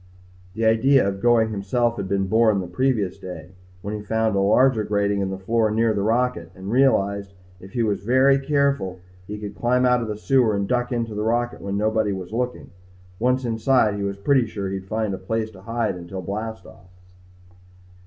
The idea of going himself had been born the previous day when he found a larger grating in the floor near the rocket and realized if he was very careful he could climb out of the sewer and duck into the rocket when nobody was looking. Once inside he was pretty sure he'd find a place to hide until blast off.